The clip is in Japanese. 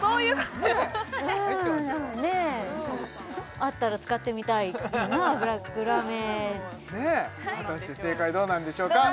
あったら使ってみたいブラックラメ果たして正解どうなんでしょうか？